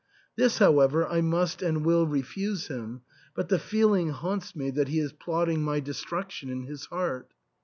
This, however, I must and will refuse him, but the feeling haunts me that he is plotting my destruction in his heart."